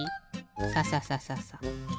サササササ。